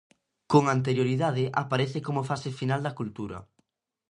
Con anterioridade aparece como fase final da cultura.